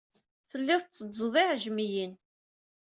Tellid tetteddzed iɛejmiyen.